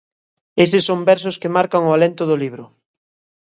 Eses son versos que marcan o alento do libro.